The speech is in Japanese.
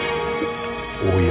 おや？